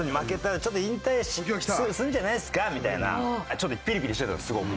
ちょっとピリピリしてたんですすごく。